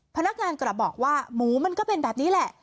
พนักงานกระบอกว่าหมูมันก็เป็นแบบนี้แหละ